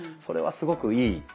それはすごくいい。